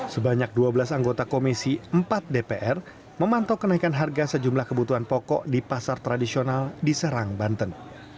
sebanyak dua belas anggota komisi empat dpr memantau kenaikan harga sejumlah kebutuhan pokok di pasar tradisional di serang banten